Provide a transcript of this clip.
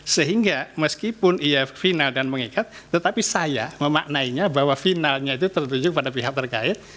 sehingga meskipun ia final dan mengikat tetapi saya memaknainya bahwa finalnya itu tertuju kepada pihak terkait